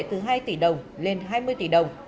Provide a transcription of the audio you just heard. từ hai tỷ đồng lên hai mươi tỷ đồng